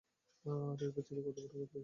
আরে ঐ বেচারি কতো বড় আঘাত খেয়েছে!